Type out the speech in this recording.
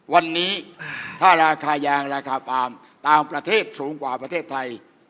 วันนี้ถ้าราคายางราคาปาล์มต่างประเทศสูงกว่าประเทศไทย